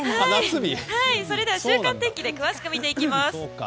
それでは週間天気で詳しく見ていきます。